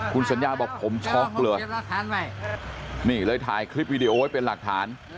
คุณสัญญาบอกผมช็อกเลยนี่เลยถ่ายคลิปวิดีโอไว้เป็นหลักฐาน